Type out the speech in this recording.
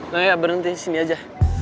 nah ya berhenti sini aja